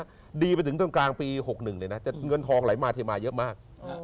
ดีไปถึงต้นกลางปี๖๑เลยนะเงินทองไหลมาเทมาเยอะมาก